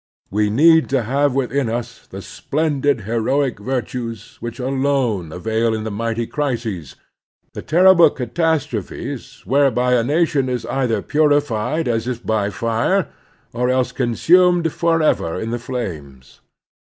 We need to have within us the splendid heroic virtues which alone avail in the mighty crises, the terrible catastrophes whereby a nation is either purified as if by fire, or else consumed forever in the flames.